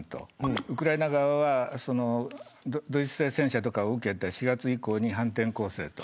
ウクライナ側はドイツ製戦車とかを受けて４月以降に反転攻勢。